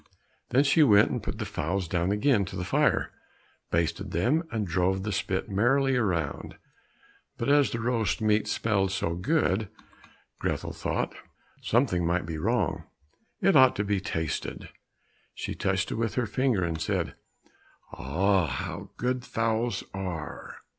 Then she went and put the fowls down again to the fire, basted them, and drove the spit merrily round. But as the roast meat smelt so good, Grethel thought, "Something might be wrong, it ought to be tasted!" She touched it with her finger, and said, "Ah! how good fowls are!